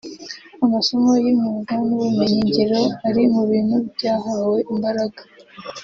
amasomo y’imyuga n’ubumenyi ngiro ari mu bintu byahawe imbaraga